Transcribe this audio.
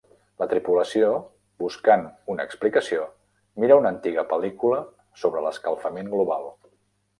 La tripulació, buscant una explicació, mira una antiga pel·lícula sobre l'escalfament global.